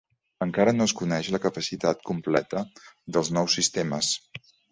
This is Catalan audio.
Encara no es coneix la capacitat completa dels nous sistemes.